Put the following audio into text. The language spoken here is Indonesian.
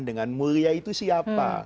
dengan mulia itu siapa